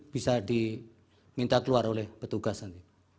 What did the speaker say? bisa diminta keluar oleh petugas nanti